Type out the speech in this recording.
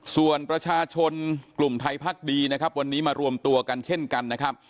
ส่วนประชาชนกลุ่มไทยพักษณ์ดีวันนี้มารวมตัวกันเช่นกัน